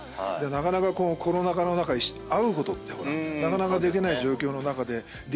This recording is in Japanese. なかなかコロナ禍の中会うことってなかなかできない状況の中でリモートでね。